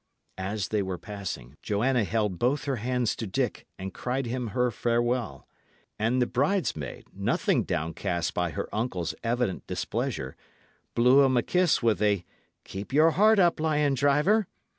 As they were passing, Joanna held both her hands to Dick and cried him her farewell; and the bridesmaid, nothing downcast by her uncle's evident displeasure, blew him a kiss, with a "Keep your heart up, lion driver!"